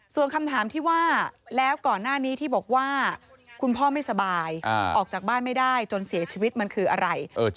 ส่วนคำถามที่ว่าแล้วก่อนหน้านี้ที่บอกว่าคุณพ่อไม่สบายออกจากบ้านไม่ได้จนเสียชีวิตมันคืออะไร